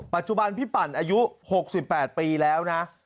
ปัจจุบันพี่ปั่นอายุ๖๘ปีแล้วนะ